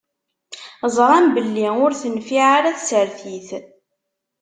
Ẓṛan belli ur tenfiɛ ara tsertit.